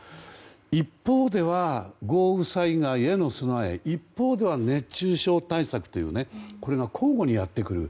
一方では豪雨災害への備え一方では熱中症対策というこれが交互にやってくる。